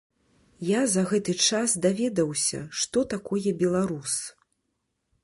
Я за гэты час даведаўся, што такое беларус.